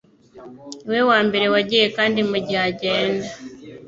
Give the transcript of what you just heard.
Niwe wambere wagiye kandi mugihe agenda